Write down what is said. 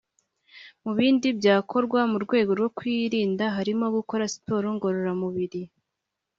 Mu bindi byakorwa mu rwego rwo kuyirinda harimo gukora siporo ngororamubira